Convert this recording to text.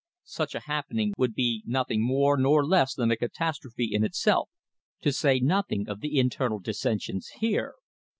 Such a happening would be nothing more nor less than a catastrophe in itself, to say nothing of the internal dissensions here.